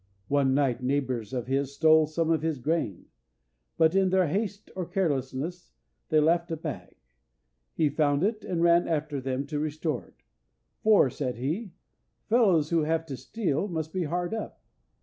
One night neighbours of his stole some of his grain, but in their haste or carelessness they left a bag. He found it, and ran after them to restore it, "for," said he, "fellows who have to steal must be hard up."